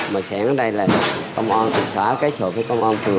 mà xảy ra đây là công an xóa cái chỗ với công an phường